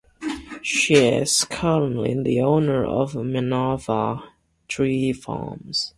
She is currently the owner of Minerva Tree Farms.